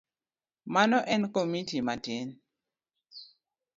Mano en komiti matin.